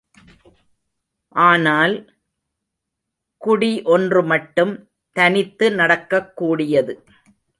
ஆனால் குடி ஒன்றுமட்டும் தனித்து நடக்கக் கூடியது.